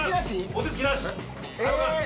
お手つきなし。